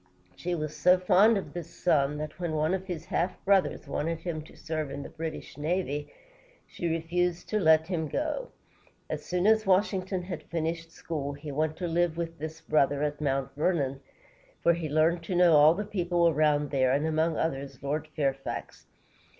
She was so fond of this son that when one of his half brothers wanted him to serve in the British navy, she refused to let him go. As soon as Washington had finished school, he went to live with this brother at Mount Vernon, where he learned to know all the people around there, and, among others, Lord Fair´fax.